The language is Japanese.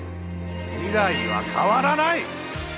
未来は変わらない！